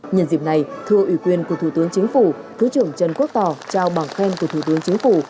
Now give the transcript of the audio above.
nhân dịp này thưa ủy quyền của thủ tướng chính phủ thứ trưởng trần quốc tỏ trao bằng khen của thủ tướng chính phủ